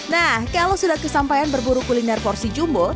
nah kalau sudah kesampaian berburu kuliner porsi jumbo